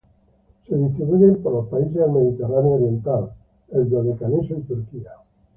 Se distribuyen por los países del Mediterráneo oriental: Dodecaneso y Turquía.